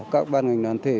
các ban ngành đoàn thể